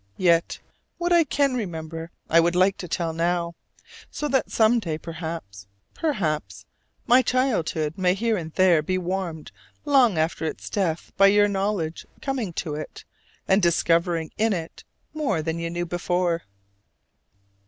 Yet what I can remember I would like to tell now: so that some day, perhaps, perhaps, my childhood may here and there be warmed long after its death by your knowledge coming to it and discovering in it more than you knew before.